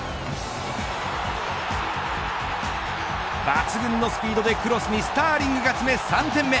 抜群のスピードでクロスにスターリングが詰め３点目。